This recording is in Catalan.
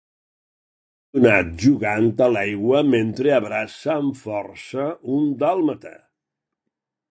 Un nen emocionat jugant a l"aigua mentre abraça amb força un dàlmata.